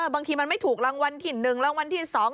บางทีมันไม่ถูกรางวัลที่๑รางวัลที่๒